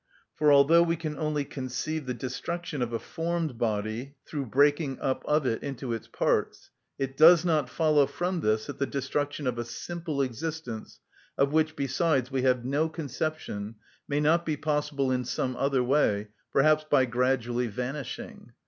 For although we can only conceive the destruction of a formed body through breaking up of it into its parts, it does not follow from this that the destruction of a simple existence, of which besides we have no conception, may not be possible in some other way, perhaps by gradually vanishing.